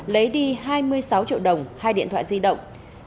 lấy đi hai mươi sáu triệu đồng hai điện thoại di động